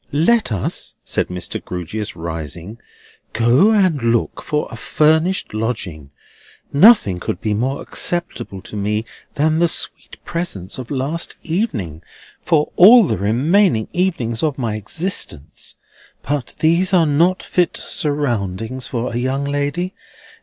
"Then let us," said Mr. Grewgious, rising, "go and look for a furnished lodging. Nothing could be more acceptable to me than the sweet presence of last evening, for all the remaining evenings of my existence; but these are not fit surroundings for a young lady.